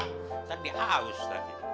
kan dia haus